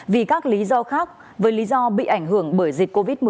vì các lý do khác với lý do bị ảnh hưởng bởi dịch covid một mươi chín